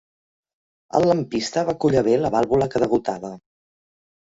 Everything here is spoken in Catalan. El lampista va collar bé la vàlvula que degotava.